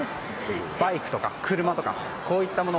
バイクとか車とかこういったもの。